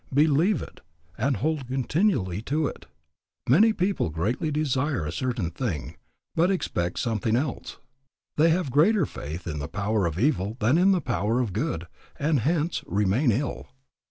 Believe it, and hold continually to it. Many people greatly desire a certain thing, but expect something else. They have greater faith in the power of evil than in the power of good, and hence remain ill.